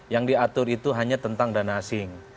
yang diatur itu hanya tentang dana asing